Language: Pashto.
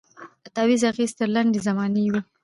د تعویذ اغېز تر لنډي زمانې وي